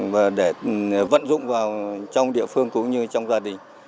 và để vận dụng vào trong địa phương cũng như trong gia đình